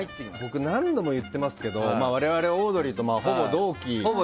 僕、何度も言ってますけど我々、オードリーとほぼ同期。